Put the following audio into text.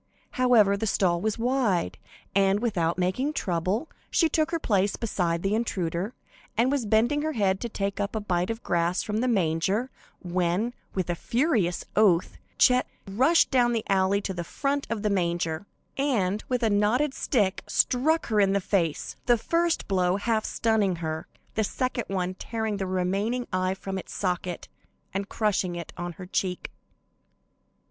However, the stall was wide, and, without making trouble, she took her place beside the intruder, and was bending her head to take up a bite of grass from the manger, when, with a furious oath, Chet rushed down the alley to the front of the manger, and, with a knotted stick, struck her in the face, the first blow half stunning her, the second one tearing the remaining eye from its socket, and crushing it on her cheek.